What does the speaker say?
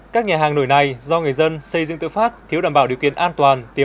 các nhà hàng nổi này do người dân xây dựng tự phát thiếu đảm bảo điều kiện an toàn